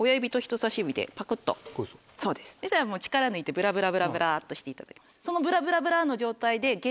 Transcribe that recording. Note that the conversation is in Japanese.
そしたら力抜いてブラブラブラブラっとして。